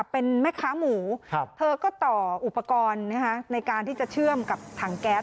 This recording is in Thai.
เป็นแม่ค้าหมูเธอก็ต่ออุปกรณ์ในการที่จะเชื่อมกับถังแก๊ส